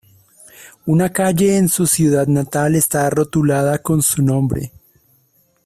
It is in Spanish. Una calle en su ciudad natal está rotulada con su nombre.